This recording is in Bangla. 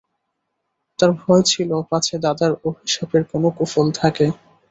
তাঁর ভয় ছিল পাছে দাদার অভিশাপের কোনো কুফল থাকে।